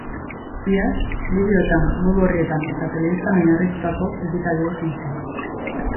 Iaz, bideoetan, web orrietan eta telebistan oinarritutako ekitaldia izan zen.